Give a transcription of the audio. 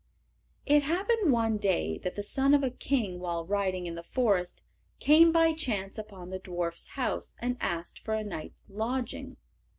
It happened one day that the son of a king, while riding in the forest, came by chance upon the dwarfs' house and asked for a night's lodging.